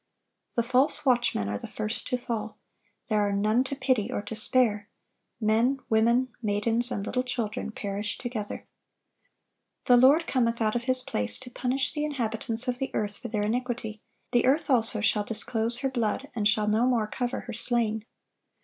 The false watchmen are the first to fall. There are none to pity or to spare. Men, women, maidens, and little children perish together. "The Lord cometh out of His place to punish the inhabitants of the earth for their iniquity: the earth also shall disclose her blood, and shall no more cover her slain."